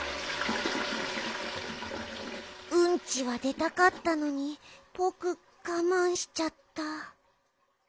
うんちはでたかったのにぼくがまんしちゃった。